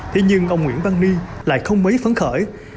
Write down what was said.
thế nhưng ông nguyễn văn ni lại không mấy phấn khởi